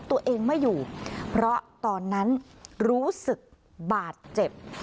ตัวเองไม่อยู่เพราะตอนนั้นรู้สึกบาดเจ็บ